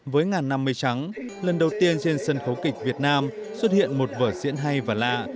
với ngàn năm mây trắng lần đầu tiên trên sân khấu kịch việt nam xuất hiện một vở diễn hay và lạ